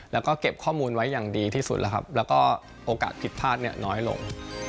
แล้วก็เก็บข้อมูลไว้อย่างดีที่สุดแล้วครับแล้วก็โอกาสผิดพลาดน้อยลง